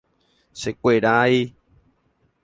Chekuerái.